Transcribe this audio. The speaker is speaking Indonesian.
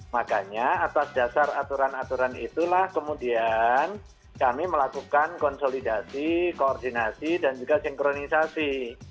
makanya atas dasar aturan aturan itulah kemudian kami melakukan konsolidasi koordinasi dan juga sinkronisasi